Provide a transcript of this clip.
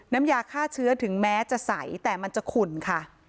น้ำยาฆ่าเชื้อถึงแม้จะใสแต่มันจะขุ่นค่ะ